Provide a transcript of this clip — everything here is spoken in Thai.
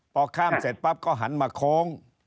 พอข้ามเสร็จปั๊บก็หันมาโค้ง